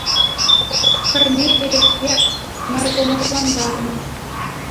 Хӗрне эрехпе наркӑмӑшлантарнӑ